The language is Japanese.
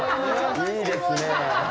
いいですね。